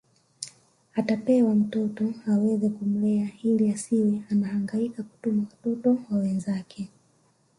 Atapewa mtoto aweze kumlea ili asiwe anahangaika kutuma watoto wa wenzake